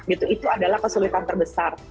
itu adalah kesulitan terbesar